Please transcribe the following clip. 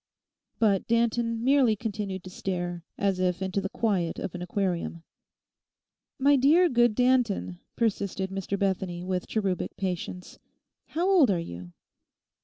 But Danton merely continued to stare, as if into the quiet of an aquarium. 'My dear good Danton,' persisted Mr Bethany with cherubic patience, 'how old are you?